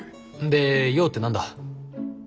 で用って何だ？